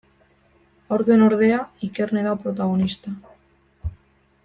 Aurten, ordea, Ikerne da protagonista.